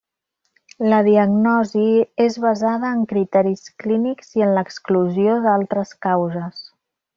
La diagnosi és basada en criteris clínics i en l'exclusió d'altres causes.